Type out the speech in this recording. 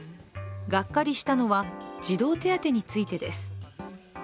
がっかりしたのは児童手当についてです。